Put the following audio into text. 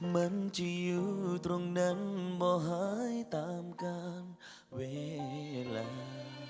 มันจะอยู่ตรงนั้นบ่หายตามกลางเวลา